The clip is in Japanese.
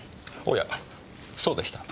おやそうでした。